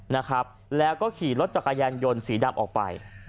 แล้วก็ขี่รถจักรยานยนต์สีดำออกไป